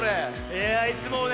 いやいつもね